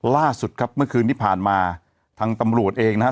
ล่าสุดครับเมื่อคืนที่ผ่านมาทางตำรวจเองนะฮะ